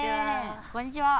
こんにちは。